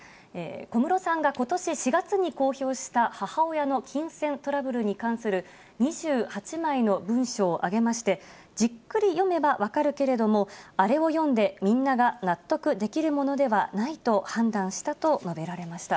小室さんがことし４月に公表した、母親の金銭トラブルに関する２８枚の文書を挙げまして、じっくり読めば分かるけれども、あれを読んでみんなが納得できるものではないと判断したと述べられました。